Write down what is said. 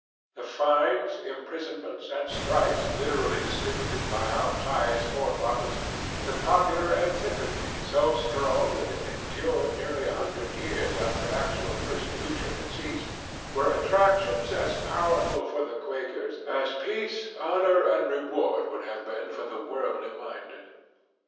The fines, imprisonments and stripes liberally distributed by our pious forefathers, the popular antipathy, so strong that it endured nearly a hundred years after actual persecution had ceased, were attractions as powerful for the Quakers as peace, honor and reward would have been for the worldly minded.